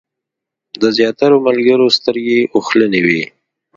د زیاترو ملګرو سترګې اوښلنې وې.